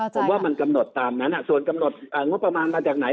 ผมว่ามันกำหนดตามนั้นส่วนกำหนดงบประมาณมาจากไหน